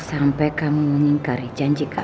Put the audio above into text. sampai ketemu di rumah juga